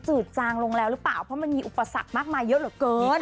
ืดจางลงแล้วหรือเปล่าเพราะมันมีอุปสรรคมากมายเยอะเหลือเกิน